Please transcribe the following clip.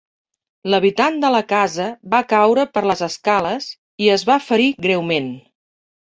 L'habitant de la casa va caure per les escales i es va ferir greument.